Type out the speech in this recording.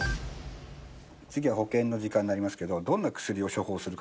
次は保健の時間になりますけどどんな薬を処方するかと。